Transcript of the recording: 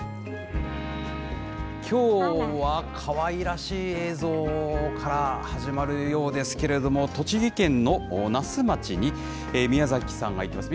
きょうは、かわいらしい映像から始まるようですけれども、栃木県の那須町に、宮崎さんが行ってます。